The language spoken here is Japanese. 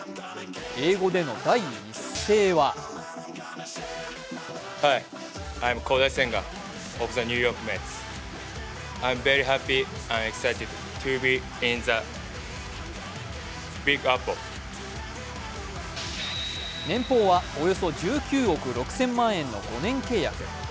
英語での第一声は年俸はおよそ１９億６０００万円の５年契約。